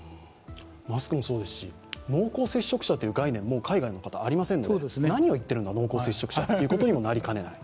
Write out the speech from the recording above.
マスクもそうですし濃厚接触者という概念は海外の方、ありませんので、何を言ってるんだ、濃厚接触者、となりかねない。